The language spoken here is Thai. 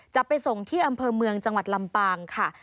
จะไปส่งที่อำเภอเมืองจังหวัดลำปางค่ะ